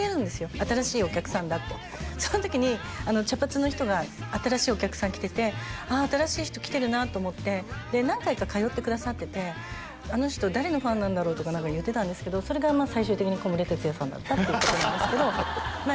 新しいお客さんだってその時に茶髪の人が新しいお客さん来ててああ新しい人来てるなと思ってで何回か通ってくださっててあの人誰のファンなんだろうとか何か言ってたんですけどそれが最終的に小室哲哉さんだったっていうことなんですけど分から